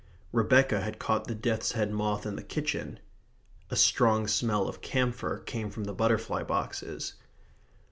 Rebecca had caught the death's head moth in the kitchen. A strong smell of camphor came from the butterfly boxes.